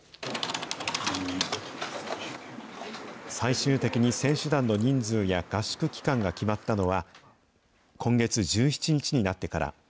最終的に選手団の人数や合宿期間が決まったのは、今月１７日になってから。